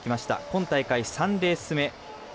今大会３レース目。